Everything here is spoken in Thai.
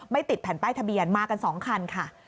ติดแผ่นป้ายทะเบียนมากัน๒คันค่ะ